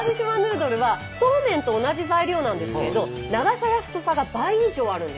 どるはそうめんと同じ材料なんですけど長さや太さが倍以上あるんです。